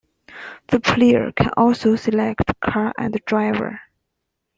The player can also select car and driver.